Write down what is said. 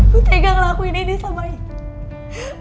bu tega ngelakuin ini sama itu